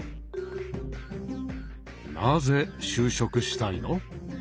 なぜ就職したいの？